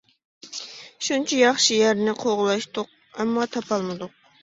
شۇنچە ياخشى يەرنى قوغلاشتۇق، ئەمما تاپالمىدۇق.